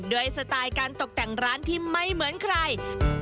สไตล์การตกแต่งร้านที่ไม่เหมือนใคร